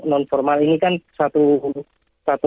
non formal ini kan satu